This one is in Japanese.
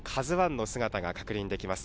ＫＡＺＵＩの姿が確認できます。